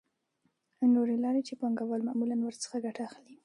نورې لارې چې پانګوال معمولاً ورڅخه ګټه اخلي